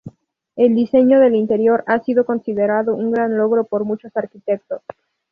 El diseño del interior ha sido considerado un gran logro por muchos arquitectos.